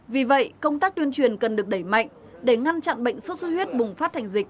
vì vậy công tác tuyên truyền cần được đẩy mạnh để ngăn chặn bệnh sốt xuất huyết bùng phát thành dịch